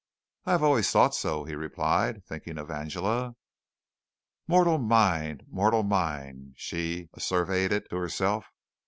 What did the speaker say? "I have always thought so," he replied, thinking of Angela. "Mortal mind! Mortal mind!" she asseverated to herself.